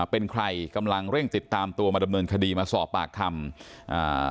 เป็นใครกำลังเร่งติดตามตัวมาดำเนินคดีมาสอบปากคำอ่า